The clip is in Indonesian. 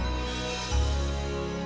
maaf ya mending